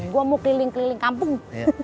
gue mau keliling keliling kampung